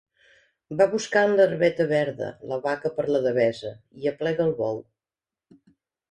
Va buscant l'herbeta verda, la vaca per la devesa, i aplega el bou.